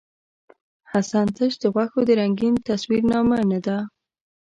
حسن تش د غوښو د رنګین تصویر نامه نۀ ده.